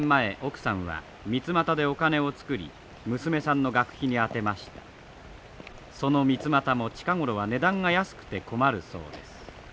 そのミツマタも近頃は値段が安くて困るそうです。